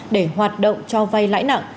để hoạt động cho vay lãi nặng